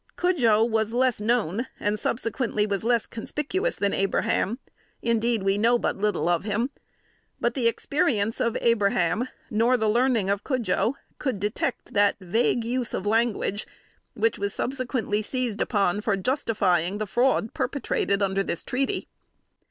Cudjoe was less known, and, subsequently, was less conspicuous than Abraham; indeed, we know but little of him. But the experience of Abraham, nor the learning of Cudjoe, could detect that vague use of language which was subsequently seized upon for justifying the fraud perpetrated under this treaty.